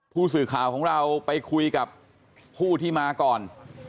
ผู้สื่อข่าวของเราไปคุยกับผู้ที่มาก่อน